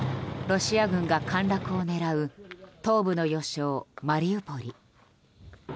ロシア軍が陥落を狙う東部の要衝、マリウポリ。